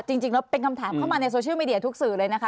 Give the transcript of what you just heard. จริงแล้วเป็นคำถามเข้ามาในโซเชียลมีเดียทุกสื่อเลยนะคะ